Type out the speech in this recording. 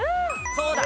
そうだ！